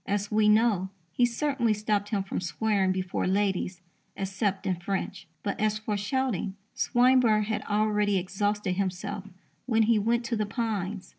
As we know, he certainly stopped him from swearing before ladies, except in French. But, as for shouting, Swinburne had already exhausted himself when he went to the Pines.